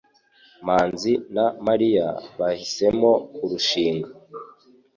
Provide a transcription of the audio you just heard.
manzi na Mariya bahisemo kurushinga